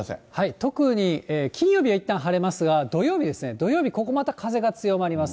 特に金曜日はいったん晴れますが、土曜日ですね、土曜日、ここまた風が強まります。